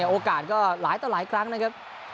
โอกาสก็หลายต่อหลายครั้งนะครับ